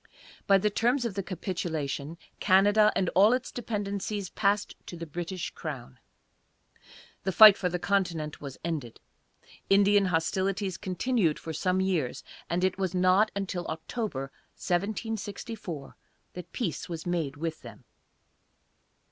By the terms of the capitulation, Canada and all its dependencies passed to the British crown. The fight for the continent was ended. Indian hostilities continued for some years, and it was not until October, 1764, that peace was made with them.